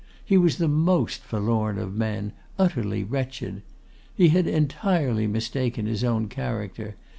He was the most forlorn of men, utterly wretched! He had entirely mistaken his own character.